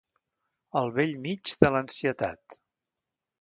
Al bell mig de l'ansietat.